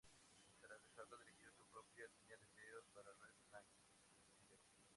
Tras dejarlas, dirigió su propia línea de videos para Red Light District Video.